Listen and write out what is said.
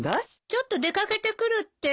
ちょっと出掛けてくるって。